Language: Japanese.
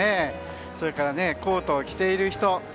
それから、コートを着ている人。